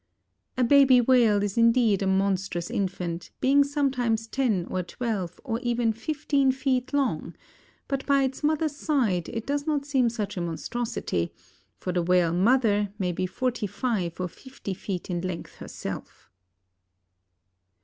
A baby whale is indeed a monstrous infant, being sometimes ten or twelve or even fifteen feet long; but by its mother's side it does not seem such a monstrosity, for the whale mother may be forty five or fifty feet in length herself.